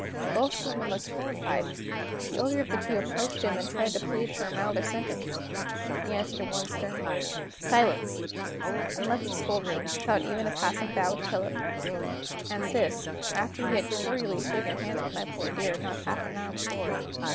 Both the women looked horrified. The elder of the two approached him, and tried to plead for a milder sentence. He answered in one stern word: "Silence!" and left the schoolroom, without even a passing bow to Philip. And this, after he had cordially shaken hands with my poor dear, not half an hour before.